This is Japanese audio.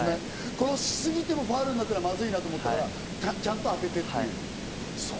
殺しすぎてもファウルになったら、まずいと思ったから、ちゃんと当ててという。